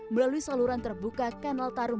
melalui saluran terbuka kanal tarung